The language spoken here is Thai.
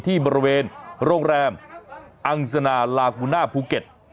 ที่บริเวณโรงแรมอังสนาลากูน่าภูเก็ต